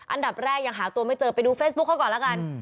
อันดับแรกยังหาตัวไม่เจอไปดูเฟซบุ๊คเขาก่อนแล้วกัน